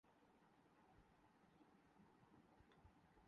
میرا آدھا دھیان چہروں کی طرف تھا۔